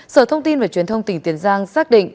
sở thông tin và truyền thông tỉnh tiền giang xác định